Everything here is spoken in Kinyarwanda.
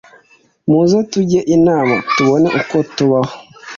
muze tujye inama tubone uko tubaho